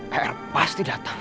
heros pasti datang